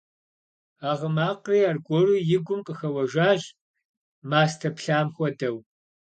А гъы макъри аргуэру и гум къыхэуэжащ мастэ плъам хуэдэу.